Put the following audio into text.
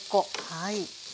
はい。